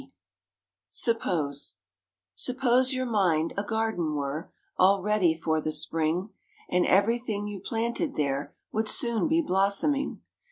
SUPPOSE SUPPOSE your mind a garden were, All ready for the spring, And everything you planted there Would soon be blossoming.